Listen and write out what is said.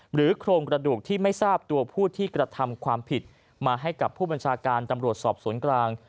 โครงกระดูกที่ไม่ทราบตัวผู้ที่กระทำความผิดมาให้กับผู้บัญชาการตำรวจสอบสวนกลาง